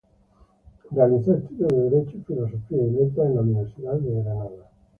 Realizó estudios de derecho y filosofía y letras en la Universidad de Granada.